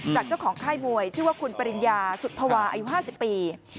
จากเจ้าของค่ายมวยชื่อว่าคุณปริญญาสุธวาอายุ๕๐ปี